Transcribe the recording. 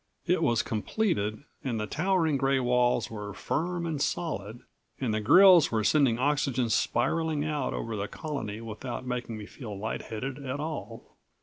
It was completed and the towering gray walls were firm and solid, and the grills were sending oxygen spiraling out over the Colony without making me feel light headed at all.